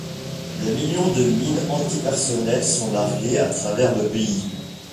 Des millions de mines antipersonnel sont larguées à travers le pays.